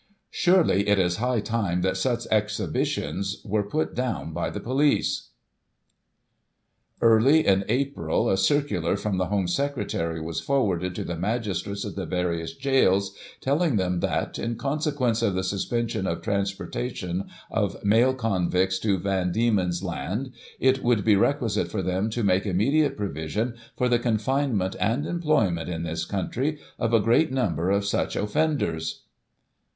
Surely it is high time that such exhibitions were put down by the police.'* Early in April a circular from the Home Secretary was for warded to the magistrates at the various gaols, telling them that, in consequence of the suspension of transportation of Digiti ized by Google i847] JENNY LIND. 309 male convicts to Van Diemen's Land, it would be requisite for them to make immediate provision for the confinement and employment, in this country, of a great number of such offenders.